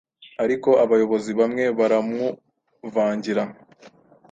ariko abayobozi bamwe baramuvangira